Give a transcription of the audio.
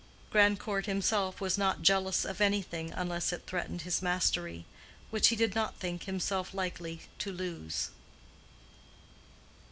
Grandcourt himself was not jealous of anything unless it threatened his mastery—which he did not think himself likely to lose.